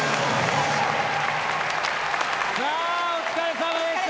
お疲れさまでした。